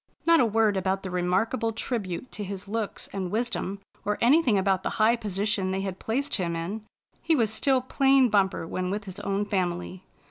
Not a word about the remarkable tribute to his looks and wisdom, or anything about the high position they had placed him in. He was still plain Bumper when with his own family.